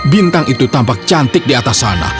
bintang itu tampak cantik di atas sana